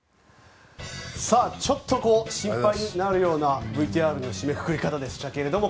ちょっと心配になるようなＶＴＲの締めくくり方でしたけれども。